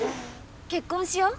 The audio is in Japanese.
結婚しよう。